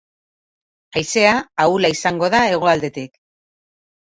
Haizea ahula izango da hegoaldetik.